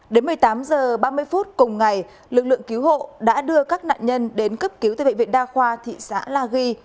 đến một mươi tám h ba mươi phút cùng ngày lực lượng cứu hộ đã đưa các nạn nhân đến cấp cứu tại bệnh viện đa khoa thị xã la ghi